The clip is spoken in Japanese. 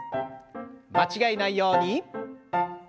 間違えないように。